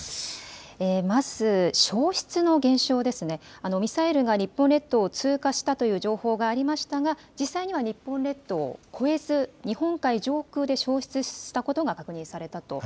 消失の現象ですね、ミサイルが日本列島を通過したという情報がありましたが実際には日本列島を越えず日本海上空で消失したことが確認されたと。